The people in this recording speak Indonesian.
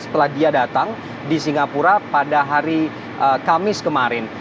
setelah dia datang di singapura pada hari kamis kemarin